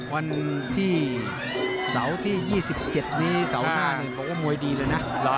วันที่เสาร์ที่๒๗นี้เสาร์หน้าบอกว่ามวยดีเลยนะ